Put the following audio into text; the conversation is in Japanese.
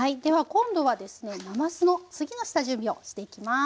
今度はですねなますの次の下準備をしていきます。